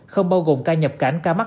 không bao gồm ca nhập cảnh ca mắc